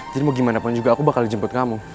jadi mau gimana pun juga aku bakal jemput kamu